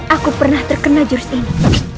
aku pernah terkena jurus ini